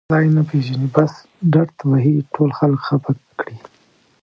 علي د خبرې ځای نه پېژني بس ډرت وهي ټول خلک خپه کړي.